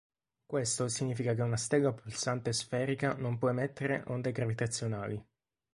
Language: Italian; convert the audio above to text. Questo significa che una stella pulsante sferica non può emettere onde gravitazionali.